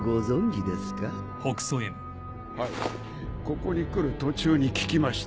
ここに来る途中に聞きました。